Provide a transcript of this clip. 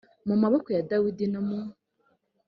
mu maboko ya dawidi no mu